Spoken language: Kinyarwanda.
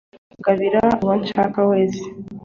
kandi mbugabira uwo nshaka wese